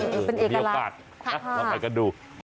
เป็นเอกลักษณ์มีโอกาสเราไปกันดู